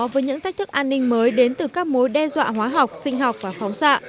với những thách thức an ninh mới đến từ các mối đe dọa hóa học sinh học và phóng xạ